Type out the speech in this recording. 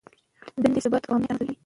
دندې ثبات او امنیت رامنځته کوي.